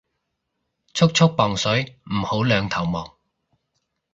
速速磅水唔好兩頭望